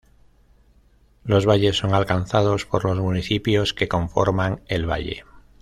Los valles son alcanzados por los municipios que conforman el valle.